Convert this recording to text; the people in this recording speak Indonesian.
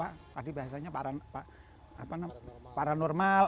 apa tadi bahasanya paranormal